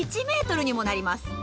１ｍにもなります。